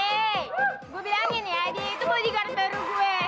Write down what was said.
hei gue bilangin ya dia itu bodyguard baru gue